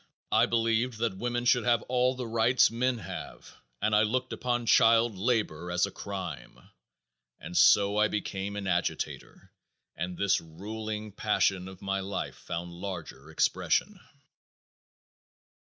I believed that women should have all the rights men have, and I looked upon child labor as a crime. And so I became an agitator and this ruling passion of my life found larger expression.